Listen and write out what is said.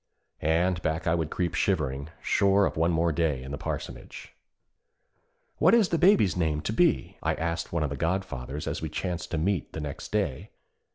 And back I would creep shivering, sure of one day more in the parsonage. 'What is the Baby's name to be?' I asked one of the godfathers, as we chanced to meet the next day.